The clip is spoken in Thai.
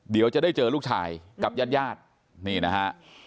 เดี๋ยวจะได้เจอลูกชายกับญาติญาตินี่นะฮะ